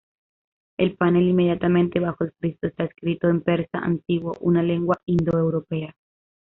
El panel inmediatamente bajo el friso está escrito en persa antiguo, una lengua indoeuropea.